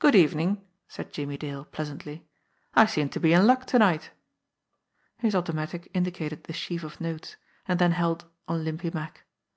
"Good evening!" said Jimmie Dale pleasantly. "I seem to be in luck to night." His automatic indicated the sheaf of notes, and then held on Limpy Mack.